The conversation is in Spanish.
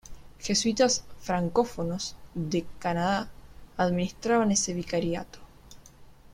Jesuitas francófonos de Canadá administraban ese vicariato.